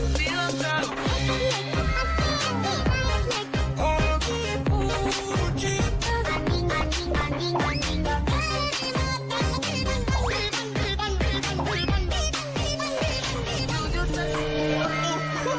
พี่ปัน